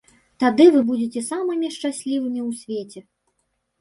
Тады вы будзеце самымі шчаслівымі ў свеце!